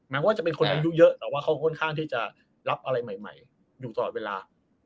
ว่าจะเป็นคนอายุเยอะแต่ว่าเขาค่อนข้างที่จะรับอะไรใหม่อยู่ตลอดเวลา